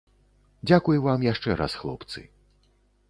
Дзякуй вам яшчэ раз, хлопцы.